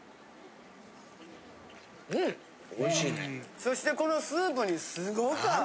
そしてこのスープにすごく合う。